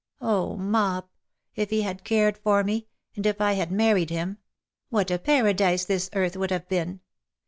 Oh, Mop, if he had cared for me, and if I had married him — what a paradise this earth would have been.